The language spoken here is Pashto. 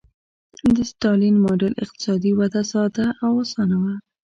د ستالین ماډل اقتصادي وده ساده او اسانه وه.